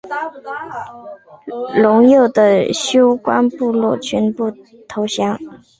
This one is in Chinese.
陇右的休官部落全部投降。